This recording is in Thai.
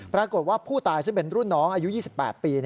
ปรากฏว่าผู้ตายซึ่งเป็นรุ่นน้องอายุ๒๘ปี